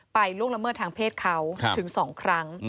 ล่วงละเมิดทางเพศเขาถึง๒ครั้ง